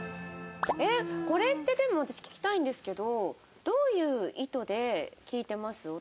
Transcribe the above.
えっこれってでも私聞きたいんですけどどういう意図で聞いてます？